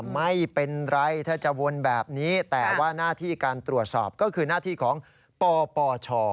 ไม่เป็นไรถ้าจะวนแบบนี้แต่ว่าหน้าที่การตรวจสอบก็คือหน้าที่ของปปช